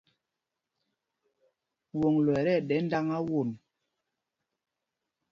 Woŋglo ɛ́ tí ɛɗɛ́ ndāŋā won.